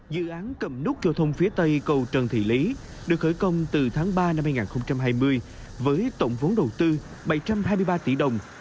dự án cầm nút trao thông phía tây cầu trần thị lý được khởi công từ tháng ba năm hai nghìn hai mươi với tổng vốn đầu tư bảy trăm hai mươi ba tỷ đồng